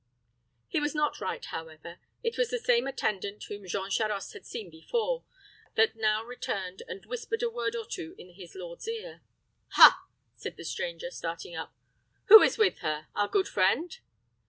He was not right, however. It was the same attendant whom Jean Charost had before seen, that now returned and whispered a word or two in his lord's ear. "Ha!" said the stranger, starting up "Who is with her? Our good friend?"